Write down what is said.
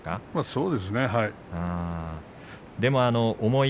そうですね、はい。